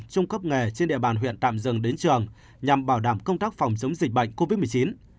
trung cấp nghề trên địa bàn huyện tạm dừng đến trường nhằm bảo đảm công tác phòng chống dịch bệnh covid một mươi chín